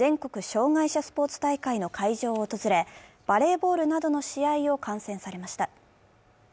障害者スポーツ大会の会場を訪れ、バレーボールなどの試合を観戦されました。